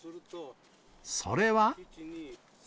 それは。